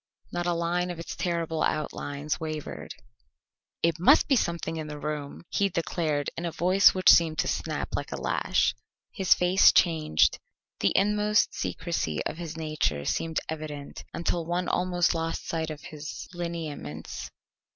Not a line of its terrible outlines wavered. "It must be something in the room!" he declared in a voice which seemed to snap like a lash. His face changed. The inmost secrecy of his nature seemed evident until one almost lost sight of his lineaments.